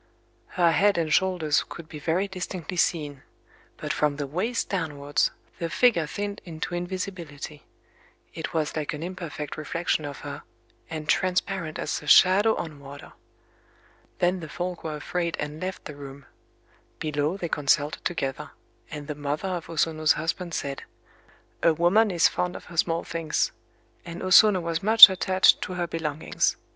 Her head and shoulders could be very distinctly seen; but from the waist downwards the figure thinned into invisibility;—it was like an imperfect reflection of her, and transparent as a shadow on water. Then the folk were afraid, and left the room. Below they consulted together; and the mother of O Sono's husband said: "A woman is fond of her small things; and O Sono was much attached to her belongings.